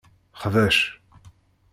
Xbec.